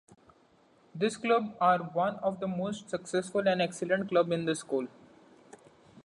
This club are one of the most successful and excellent club in the school.